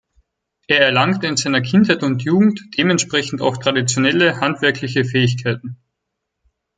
Er erlangte in seiner Kindheit und Jugend dementsprechend auch traditionelle handwerkliche Fähigkeiten.